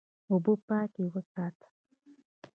اوبه پاکې وساته.